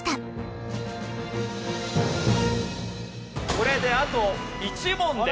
これであと１問です。